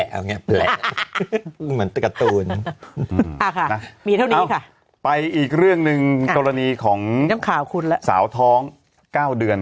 เอ้าไปอีกเรื่องหนึ่งตรวจของสาวท้อง๙เดือน